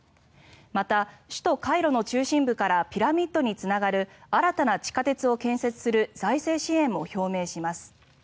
また、首都カイロの中心部からピラミッドにつながる新たな地下鉄を建設する財政支援も表明します。